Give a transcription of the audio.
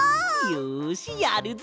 よしやるぞ！